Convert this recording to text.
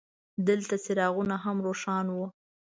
دغلته څراغونه هم روښان وو.